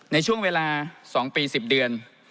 ในช่วงเวลา๒ปี๑๐เดือน